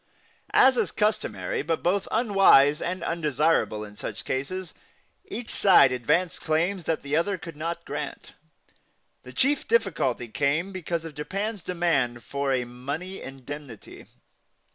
As is customary but both unwise and undesirable in such cases, each side advanced claims which the other could not grant. The chief difficulty came because of Japan's demand for a money indemnity.